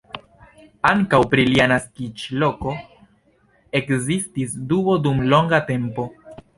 Ankaŭ pri lia naskiĝloko ekzistis dubo dum longa tempo.